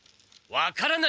分からない。